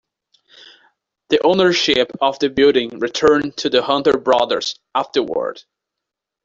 The ownership of the building returned to the Hunter brothers afterward.